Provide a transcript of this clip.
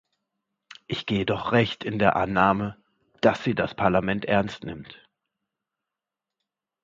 Ich gehe doch recht in der Annahme, dass sie das Parlament ernst nimmt.